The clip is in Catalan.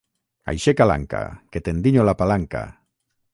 Aixeca l'anca que t'endinyo la palanca!